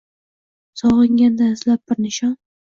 Sog’inganda izlab bir nishon